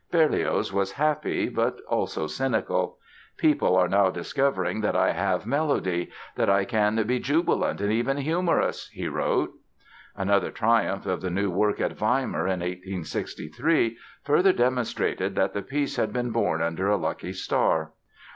Berlioz was happy, but also cynical. "People are now discovering that I have melody, that I can be jubilant and even humorous!" he wrote. Another triumph of the new work at Weimar, in 1863, further demonstrated that the piece had been born under a lucky star.